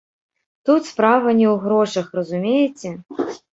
Тут справа не ў грошах, разумееце?